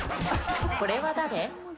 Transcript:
これは誰？